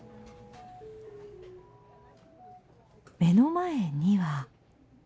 目の前には。